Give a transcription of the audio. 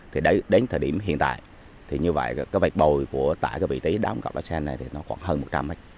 thì đến thời điểm hiện tại thì như vậy cái vẹt bồi của tại cái vị trí đóng cặp lát sen này thì nó khoảng hơn một trăm linh mét